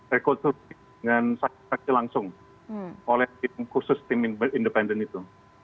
rekonstruksi dengan saksi saksi langsung oleh tim khusus tim independen itu